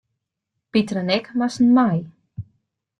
Piter en ik moasten mei.